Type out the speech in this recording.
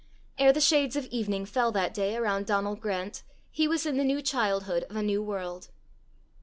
Ere the shades of evening fell that day around Donal Grant, he was in the new childhood of a new world.